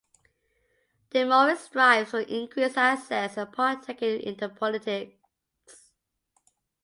Demoex strives for increased access and partaking in the politics.